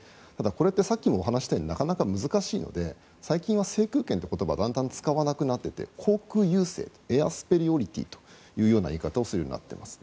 これってさっきも話したようになかなか難しいので最近は制空権という言葉をあまり使わなくなっていて航空優勢エアスペリオリティーという言い方をするようになっています。